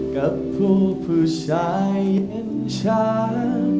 กับผู้ผู้ชายเห็นช้าง